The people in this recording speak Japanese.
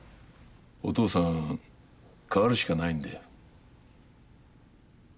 お父さん変わるしかないんだよ。